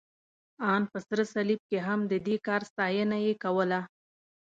ان په سره صلیب کې هم، د دې کار ستاینه یې کوله.